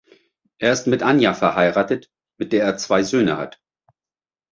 Er ist mit Anja verheiratet, mit der er zwei Söhne hat.